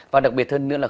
và đặc biệt hơn nữa là